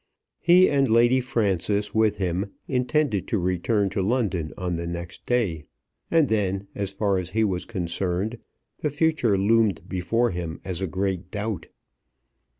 He, and Lady Frances with him, intended to return to London on the next day, and then, as far as he was concerned, the future loomed before him as a great doubt.